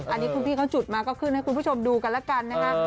อันนี้คุณพี่เขาจุดมาก็ขึ้นให้คุณผู้ชมดูกันแล้วกันนะคะ